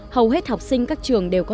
hầu hết học sinh các trường đều có